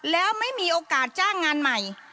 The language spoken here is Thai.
แล้วไม่มีโอกาสจ้างงานใหม่